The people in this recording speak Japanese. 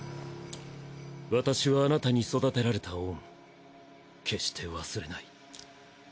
私はあなたに育てられた恩決して忘れない。